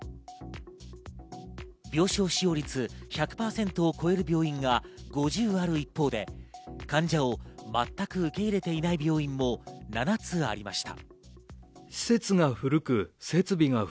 病床使用率１００％を超える病院が５０ある一方で、患者を全く受け入れていない病院も７つありました。